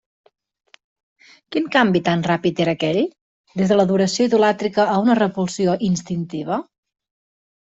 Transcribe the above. Quin canvi tan ràpid era aquell, des de l'adoració idolàtrica a una repulsió instintiva?